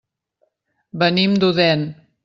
Venim d'Odèn.